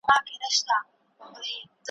که عادت سي یو ځل خوله په بد ویلو ,